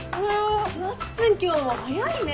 なっつん今日も早いね。